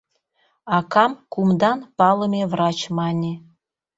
Акам кумдан палыме врач мане.